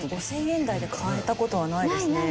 ５０００円台で買えた事はないですね。